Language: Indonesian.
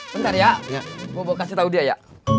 bentar ya gua kasih tau dia ya